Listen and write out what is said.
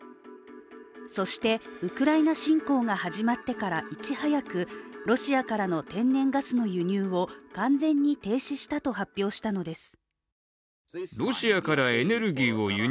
そして、ウクライナ侵攻が始まってからいち早くロシアからの天然ガスの輸入を完全に停止したと発表したのです。